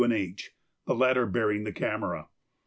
and H., the latter bearing the camera.